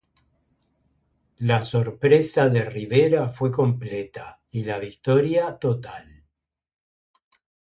La sorpresa de Rivera fue completa y la victoria total.